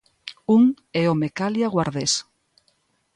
Un é o Mecalia Guardés.